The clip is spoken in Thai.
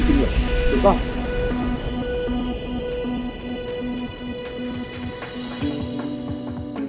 จริงหรือเปล่า